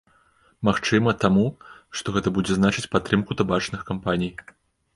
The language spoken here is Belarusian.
Магчыма, таму, што гэта будзе значыць падтрымку табачных кампаній.